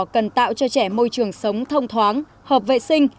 cần tạo cho trẻ môi trường sống thông thoáng hợp vệ sinh